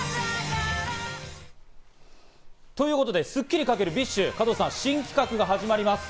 ということで『スッキリ』×ＢｉＳＨ、新企画が始まります。